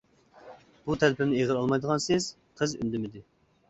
بۇ تەلىپىمنى ئېغىر ئالمايدىغانسىز؟ قىز ئۈندىمىدى.